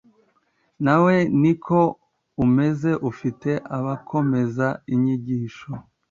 nawe ni ko umeze ufite abakomeza inyigisho